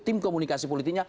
tim komunikasi politiknya